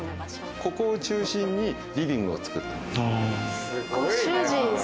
ここを中心にリビングを作ったんです。